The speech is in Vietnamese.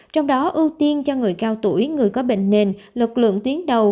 trong đó ưu tiên cho người cao tuổi người có bệnh nền lực lượng tuyến đầu